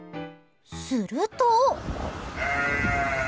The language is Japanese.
すると。